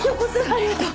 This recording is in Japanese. ありがとう。